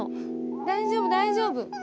大丈夫大丈夫。